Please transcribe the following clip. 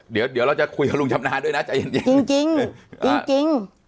เดี๋ยวเดี๋ยวเราจะคุยกับลุงชำนาญด้วยนะใจเย็นจริง